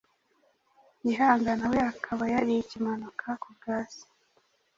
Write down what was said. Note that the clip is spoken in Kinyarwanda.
Gihanga na we akaba yari Ikimanuka ku bwa se,